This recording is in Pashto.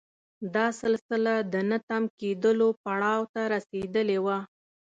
دا سلسله د نه تم کېدلو پړاو ته رسېدلې وه.